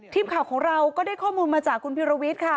ทีมข่าวของเราก็ได้ข้อมูลมาจากคุณพิรวิทย์ค่ะ